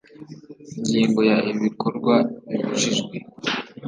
Ingingo ya ibikorwa bibujijwe